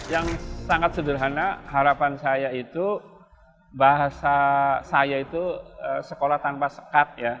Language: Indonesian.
yang sangat sederhana harapan saya itu bahasa saya itu sekolah tanpa sekat ya